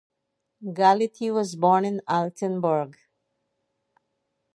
Galletti was born in Altenburg.